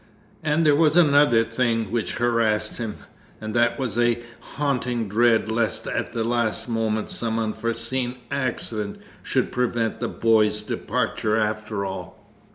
And there was another thing which harassed him, and that was a haunting dread lest at the last moment some unforeseen accident should prevent the boy's departure after all.